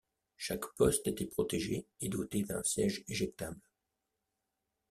Chaque poste était protégé et doté d'un siège éjectable.